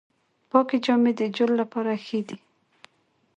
پاکې جامې د جلد لپاره ښې دي۔